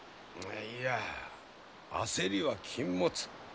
いいや焦りは禁物。